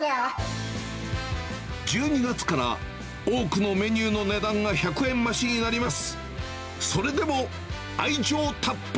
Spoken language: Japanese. １２月から多くのメニューの値段が１００円増しになります。